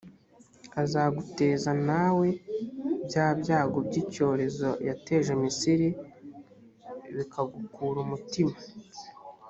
azaguteza nawe bya byago by’icyorezo yateje misiri, bikagukura umutima